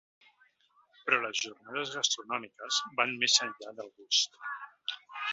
Però les jornades gastronòmiques van més enllà del gust.